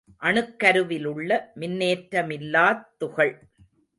அணுக்கருவிலுள்ள மின்னேற்ற மில்லாத் துகள்.